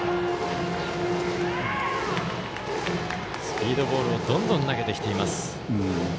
スピードボールをどんどん投げてきています。